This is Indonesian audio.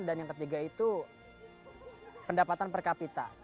dan yang ketiga itu pendapatan per kapita